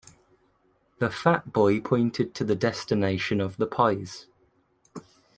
The fat boy pointed to the destination of the pies.